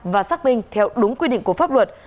và xác minh theo đúng quy định của pháp luật